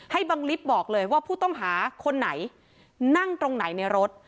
บังลิฟต์บอกเลยว่าผู้ต้องหาคนไหนนั่งตรงไหนในรถ